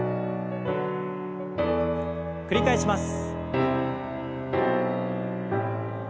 繰り返します。